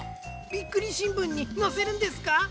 「びっくりしんぶん」にのせるんですか？